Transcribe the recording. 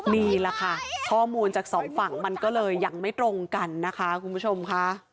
นี่แหละค่ะข้อมูลจากสองฝั่งมันก็เลยยังไม่ตรงกันนะคะคุณผู้ชมค่ะ